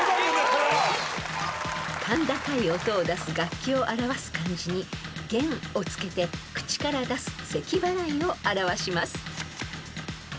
［甲高い音を出す楽器を表す漢字に「言」をつけて口から出すせき払いを表します］